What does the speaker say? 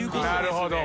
なるほど。